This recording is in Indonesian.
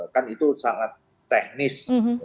kan itu sangat teknis